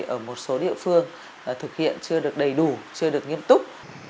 ở một số địa phương thực hiện chưa được đầy đủ chưa được nghiêm túc